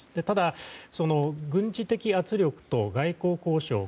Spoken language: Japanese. ただ、軍事的圧力と外交交渉